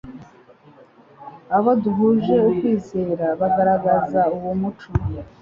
abo duhuje ukwizera bagaragaza uwo muco